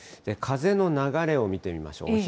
風の流れを見てみましょう。